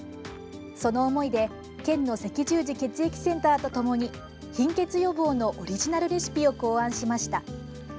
その思いで県の赤十字血液センターと共に貧血予防のオリジナルレシピを考案しました。